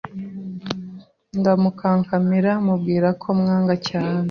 ndamukankamira mubwira ko mwanga cyane